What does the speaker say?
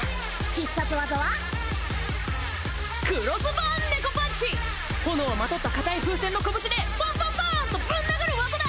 必殺技は炎をまとった硬い風船の拳でポンポンポーンとぶん殴る技だ！